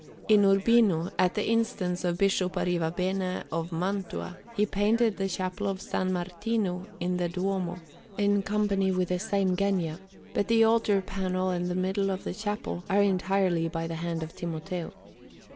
In Urbino, at the instance of Bishop Arrivabene of Mantua, he painted the Chapel of S. Martino in the Duomo, in company with the same Genga; but the altar panel and the middle of the chapel are entirely by the hand of Timoteo.